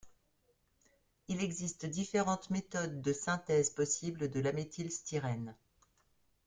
Il existe différentes méthodes de synthèse possible de l'α-méthylstyrène.